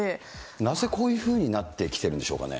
なぜこういうふうになってきてるんでしょうね。